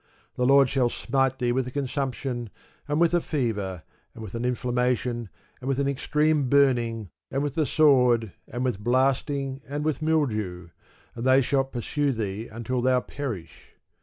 The Lord shall smite thee with a consumption, and with a fever, and with an inflammation, and with an extreme burning, and with the sword, and with blasting, and with mildew; and they shall pursue thee until thou perish.